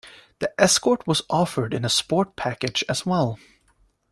The Escort was offered in a Sport package as well.